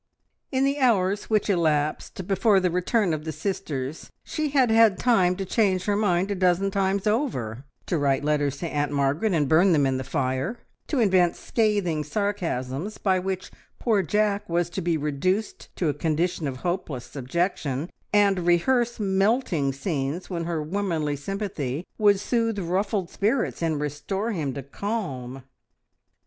In the hours which elapsed before the return of the sisters she had had time to change her mind a dozen times over, to write letters to Aunt Margaret and burn them in the fire, to invent scathing sarcasms by which poor Jack was to be reduced to a condition of hopeless subjection, and rehearse melting scenes when her womanly sympathy would soothe ruffled spirits and restore him to calm.